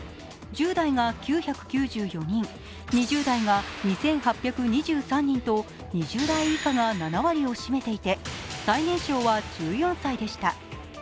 １０代が９９４人、２０代が２８２３人と、２０代以下が７割を占めていて最年少は１４歳でした。